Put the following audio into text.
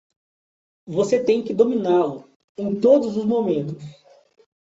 Você tem que dominá-lo em todos os momentos.